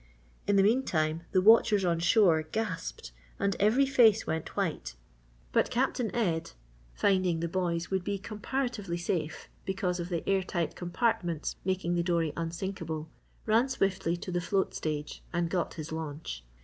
In the meantime, the watchers on shore gasped and every face went white, but Captain Ed, finding the boys would be comparatively safe because of the airtight compartments making the dory unsinkable, ran swiftly to the float stage and got his launch.